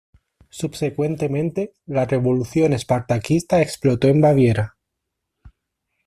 Subsecuentemente, la Revolución Espartaquista explotó en Baviera.